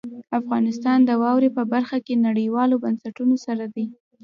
افغانستان د واورې په برخه کې نړیوالو بنسټونو سره دی.